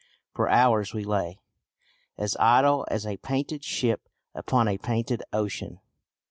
For hours we lay "As idle as a painted ship Upon a painted ocean."